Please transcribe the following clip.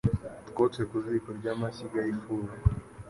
Utwotse ku ziko ry’amashyiga y’ifuru.